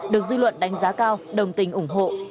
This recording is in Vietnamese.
được dư luận đánh giá cao đồng tình ủng hộ